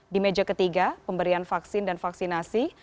di meja ketiga pemberian vaksin dan vaksinasi